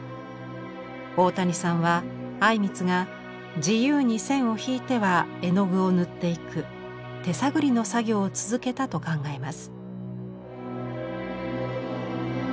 大谷さんは靉光が自由に線を引いては絵の具を塗っていく手探りの作業を続けたと考えます。